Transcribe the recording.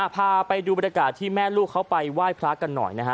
พาไปดูบรรยากาศที่แม่ลูกเขาไปไหว้พระกันหน่อยนะฮะ